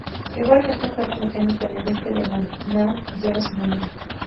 Igualmente un jardín botánico en el este de Manaus lleva su nombre.